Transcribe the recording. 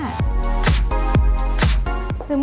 สื้อมูลนี่